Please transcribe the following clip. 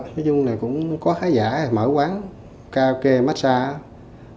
nói chung là cũng có khái giả mở quán kok massage